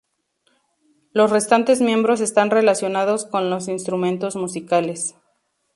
Los restantes miembros están relacionados con los instrumentos musicales.